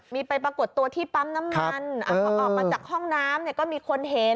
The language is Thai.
มีไปปรากฏตัวที่ปั๊มน้ำมันพอออกมาจากห้องน้ำเนี่ยก็มีคนเห็น